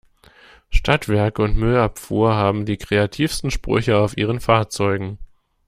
Stadtwerke und Müllabfuhr haben die kreativsten Sprüche auf ihren Fahrzeugen.